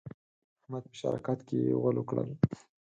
احمد په شراکت کې غول وکړل.